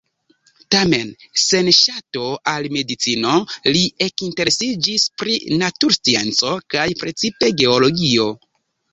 Tamen sen ŝato al medicino li ekinteresiĝis pri naturscienco, kaj precipe geologio.